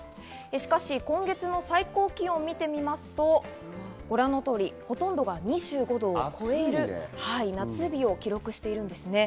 しかし今月の最高気温を見るとご覧の通り、ほとんどが２５度を超える夏日を記録しています。